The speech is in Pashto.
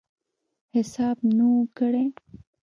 حساب نه وو کړی.